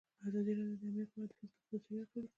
ازادي راډیو د امنیت په اړه د فیسبوک تبصرې راټولې کړي.